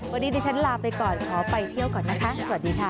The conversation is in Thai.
วันนี้ดิฉันลาไปก่อนขอไปเที่ยวก่อนนะคะสวัสดีค่ะ